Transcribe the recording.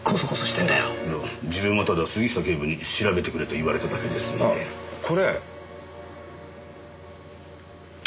いや自分はただ杉下警部に調べてくれと言われただけですので。